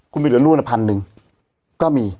คุณผู้หญิงเหลือนั่นน่ะ๑๐๐๐นึงก็มี